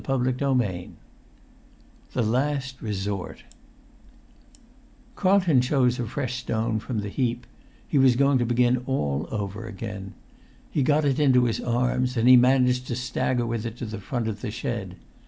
[Pg 137] XIV THE LAST RESORT Carlton chose a fresh stone from the heap; he was going to begin all over again. He got it in his arms, and he managed to stagger with it to the front of the shed.